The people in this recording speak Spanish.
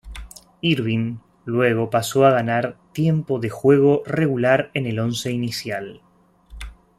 Irvine luego pasó a ganar tiempo de juego regular en el once inicial.